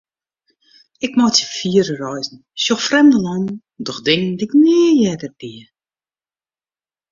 Ik meitsje fiere reizen, sjoch frjemde lannen, doch dingen dy'k nea earder die.